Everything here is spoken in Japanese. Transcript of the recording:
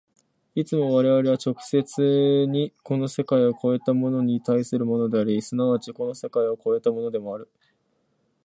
いつも我々は直接にこの世界を越えたものに対するものであり、即ちこの世界を越えたものである。